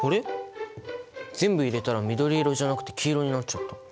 全部入れたら緑色じゃなくて黄色になっちゃった。